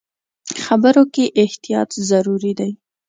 خبرو کې احتیاط ضروري دی.